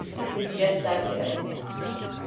He's just that good.